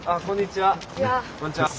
こんにちは。